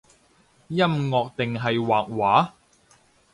音樂定係畫畫？